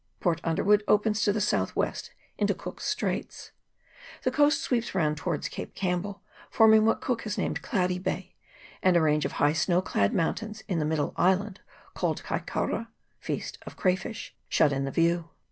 Port Underwood opens to the south west into Cook's Straits. The coast sweeps round to wards Cape Campbell, forming what Cook has named Cloudy Bay, and a range of high snow clad mountains in the middle island, called Kai Koura (Feast of Crawfish), shut in the view.